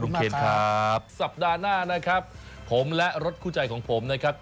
เคนครับสัปดาห์หน้านะครับผมและรถคู่ใจของผมนะครับ